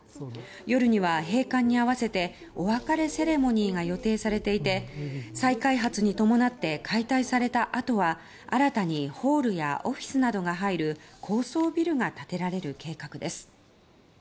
夜には、閉館に合わせてお別れセレモニーが予定されていて再開発に伴って解体されたあとは新たにホールやオフィスなどが入る高層ビルが建てられる計画です。